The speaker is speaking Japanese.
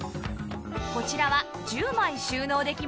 こちらは１０枚収納できます